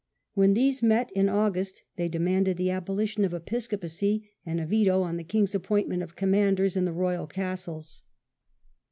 When these met in August they demanded the abolition of Episcopacy and a veto on the king's appointment of commanders in the Royal castles.